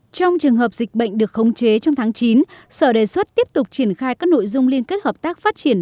trong trường hợp dịch bệnh được khống chế trong tháng chín sở đề xuất tiếp tục triển khai các nội dung liên kết hợp tác phát triển